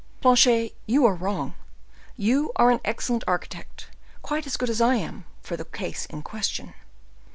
"Planchet, you are wrong; you are an excellent architect, quite as good as I am, for the case in question."